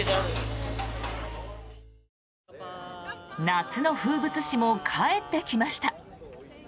夏の風物詩も帰ってきました。